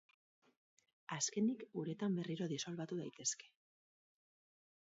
Azkenik, uretan berriro disolbatu daitezke.